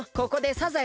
サザエ！